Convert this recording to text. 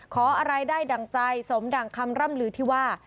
ขออะไรได้ดั่งใจสมดั่งคำร่ำลือที่ว่า